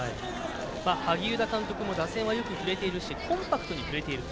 萩生田監督は打線もよく振れているしコンパクトに振れている。